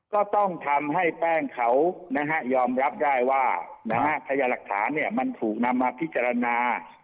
ก็ต้องทำให้แป้งเขายอมรับได้ว่าพยาหลักฐานมันถูกนำมาพิจารณา